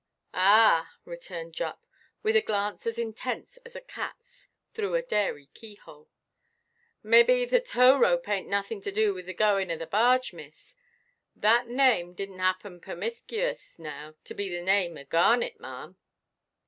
"Ah," returned Jupp, with a glance as intense as a catʼs through a dairy keyhole, "maybe the tow–rope ainʼt nothin' to do with the goin' of the barge, miss. That name didnʼt happen permiskious now to be the name of Garnet, maʼam?"